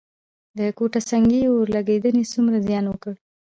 د کوټه سنګي اورلګیدنې څومره زیان وکړ؟